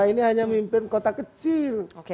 ini hanya mimpin kota kecil